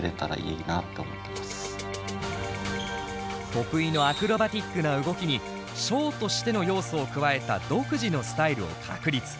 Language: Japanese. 得意のアクロバティックな動きにショーとしての要素を加えた独自のスタイルを確立。